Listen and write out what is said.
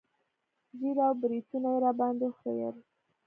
ږيره او برېتونه يې راباندې وخرييل.